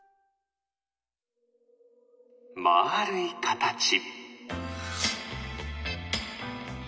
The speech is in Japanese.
まるいかたち。